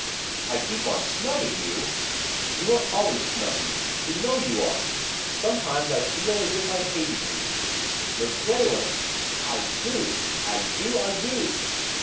'I keep on snubbing you!' 'You are always snubbing me, you know you are. Some times I feel as if I hated you.' 'Miss Grayling!' 'I do! I do! I do!